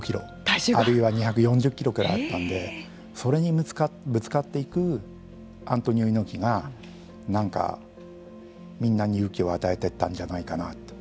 体重が！？あるいは２４０キロくらいあったんでそれにぶつかっていくアントニオ猪木が何かみんなに勇気を与えてったんじゃないかなと。